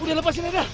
udah lepasin neda